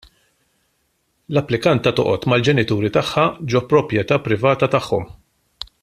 L-applikanta toqgħod mal-ġenituri tagħha ġo proprjetà privata tagħhom.